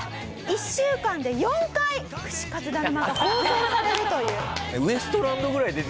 １週間で４回串かつだるまが放送されるという。